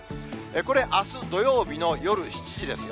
これ、あす土曜日の夜７時ですよ。